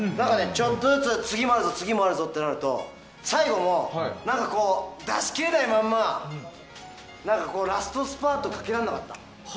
ちょっとずつ次もあるぞ、次もあるぞとなると最後の、出し切れないままラストスパートをかけられなかった。